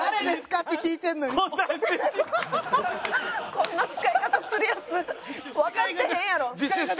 こんな使い方するヤツわかってへんやろ。